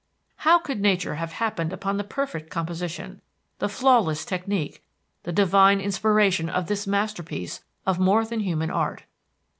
How could Nature have happened upon the perfect composition, the flawless technique, the divine inspiration of this masterpiece of more than human art?